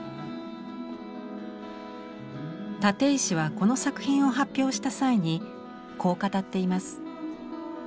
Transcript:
立石はこの作品を発表した際にこう語っています。